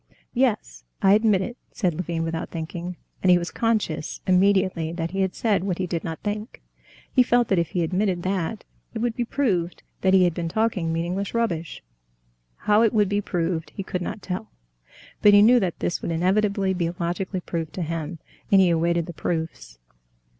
"Yes, I admit it," said Levin without thinking, and he was conscious immediately that he had said what he did not think. He felt that if he admitted that, it would be proved that he had been talking meaningless rubbish. How it would be proved he could not tell, but he knew that this would inevitably be logically proved to him, and he awaited the proofs.